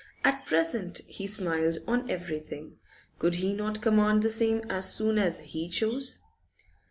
At present he smiled on everything. Could he not command the same as soon as he chose?